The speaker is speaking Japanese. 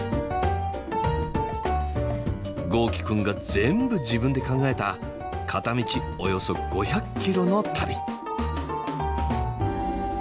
豪輝くんが全部自分で考えた片道およそ５００キロの旅。